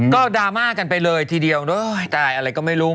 ก็ดราม่ากันไปเลยทีเดียวตายอะไรก็ไม่รู้